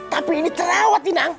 tapi ini terawat inang